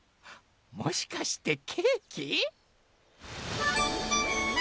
もしかしてケーキ？